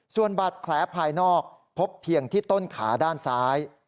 ส่วนบาดแผลภายนอกพบเพียงที่ต้นขาด้านซ้าย